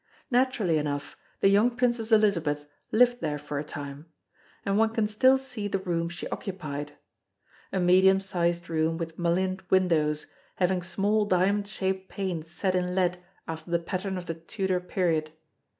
Naturally enough, the young Princess Elizabeth lived there for a time; and one can still see the room she occupied. A medium sized room with mullioned windows, having small diamond shaped panes set in lead after the pattern of the Tudor period.